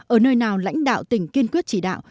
ở nơi nào lãnh đạo tỉnh kiên quyết chỉ đạo